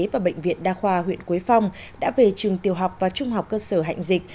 và bệnh viện đa khoa huyện quế phong đã về trường tiểu học và trung học cơ sở hạnh dịch